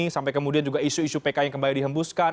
sampai kemudian juga isu isu pk yang kembali dihembuskan